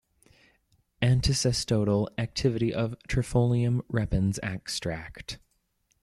Anticestodal activity of Trifolium repens extract.